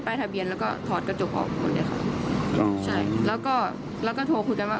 แล้วก็ถอดกระจกออกหมดเลยค่ะแล้วก็โทรคุยกันว่า